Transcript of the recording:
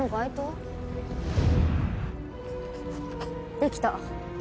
できた。